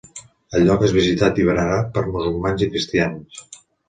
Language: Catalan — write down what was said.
El lloc és visitat i venerat per musulmans i cristians.